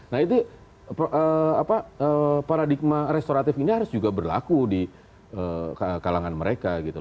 nah itu paradigma restoratif ini harus juga berlaku di kalangan mereka gitu